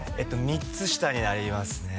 ３つ下になりますね